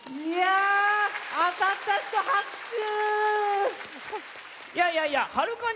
いやいやいやはる